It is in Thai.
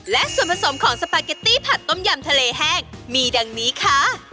และส่วนผสมของสปาเกตตี้ผัดต้มยำทะเลแห้งมีดังนี้ค่ะ